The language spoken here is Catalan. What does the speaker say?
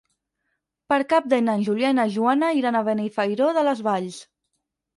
Per Cap d'Any en Julià i na Joana iran a Benifairó de les Valls.